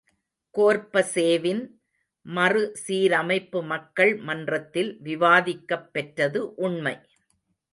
கோர்ப்பசேவின் மறு சீரமைப்பு மக்கள் மன்றத்தில் விவாதிக்கப்பெற்றது உண்மை.